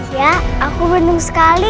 iya aku beruntung sekali